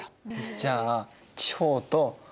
じゃあ地方と都。